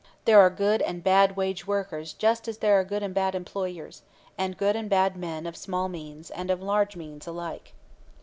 There are good and bad wage workers just as there are good and bad employers, and good and bad men of small means and of large means alike.